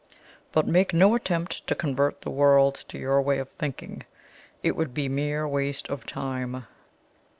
But make no attempt to convert the world to your way of thinking it would be mere waste of time."